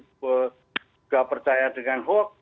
nggak percaya dengan hoax